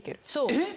えっ！？